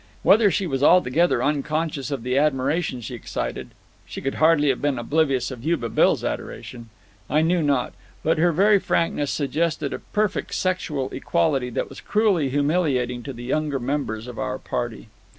Whether she was altogether unconscious of the admiration she excited she could hardly have been oblivious of Yuba Bill's adoration I know not; but her very frankness suggested a perfect sexual equality that was cruelly humiliating to the younger members of our party.